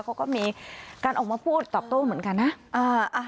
เขาก็มีการออกมาพูดตอบโต้เหมือนกันนะ